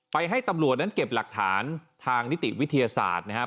ให้ตำรวจนั้นเก็บหลักฐานทางนิติวิทยาศาสตร์นะครับ